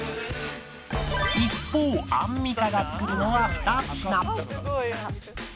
一方アンミカが作るのは２品